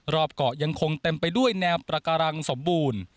รอบเกาะยังคงเต็มไปด้วยแนวประการังสมบูรณ์